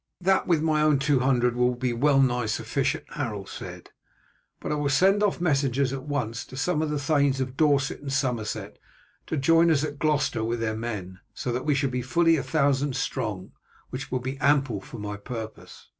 "That with my own two hundred will be well nigh sufficient," Harold said; "but I will send off messengers at once to some of the thanes of Dorset and Somerset to join us at Gloucester with their men, so that we shall be fully a thousand strong, which will be ample for my purpose.